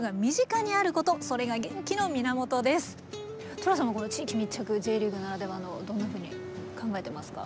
トラさんもこの地域密着Ｊリーグならではのどんなふうに考えてますか？